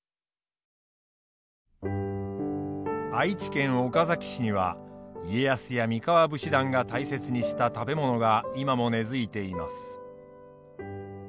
愛知県岡崎市には家康や三河武士団が大切にした食べ物が今も根づいています。